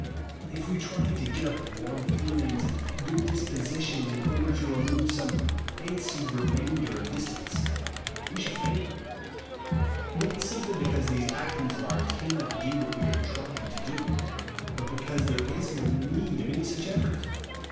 If we try to get np warm feelings and good dispositions in order to remove some fancied remainder of distance, we shall fail ; not sii aply because these actings of ours cannot do what we are trying to do, but because there is no need of any such effort.